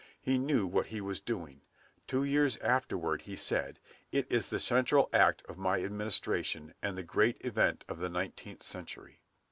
He knew what he was doing. Two years afterward he said, "It is the central act of my administration, and the great event of the nineteenth century."